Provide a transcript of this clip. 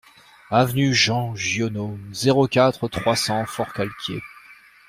Avenue Jean Giono, zéro quatre, trois cents Forcalquier